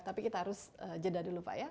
tapi kita harus jeda dulu pak ya